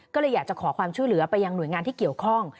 ก็เลยอยากจะขอความช่วยเหลือไปยังหน่วยงานที่เกี่ยวข้อง